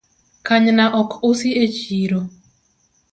Kanyna ok usi echiro